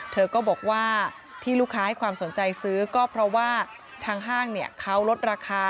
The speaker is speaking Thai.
เธอก็บอกว่าที่ลูกค้าให้ความสนใจซื้อก็เพราะว่าทางห้างเขาลดราคา